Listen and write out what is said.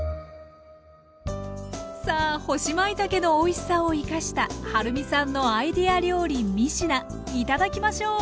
さあ干しまいたけのおいしさを生かしたはるみさんのアイデア料理３品頂きましょう！